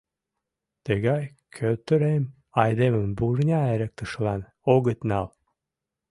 Тыгай кӧтырем айдемым вурня эрыктышылан огыт нал!».